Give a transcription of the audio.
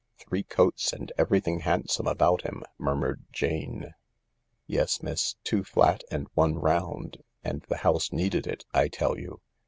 "Three coats, and everything handsome about him," murmured Jane. " Yes, miss, two flat and one round — and the house needed it, I tell you.